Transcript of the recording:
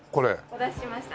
お出ししました。